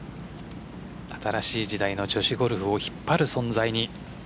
新しい時代を女子ゴルフを引っ張る存在に。